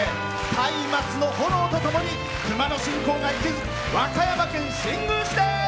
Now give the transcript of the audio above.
たいまつの炎とともに熊野信仰が息づく和歌山県新宮市です。